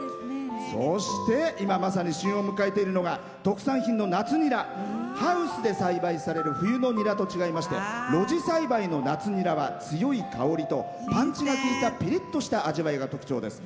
そして、今まさに旬を迎えているのが特産品の夏ニラハウスで栽培される冬のニラと違いまして夏に栽培される夏ニラはパンチがきいたピリッとした味わいが特徴です。